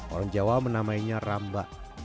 orang jawa menamainya rambak